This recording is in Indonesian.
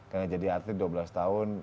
karena jadi atlet dua belas tahun